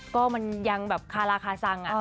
ก็มันยังแบบคาราคาซัง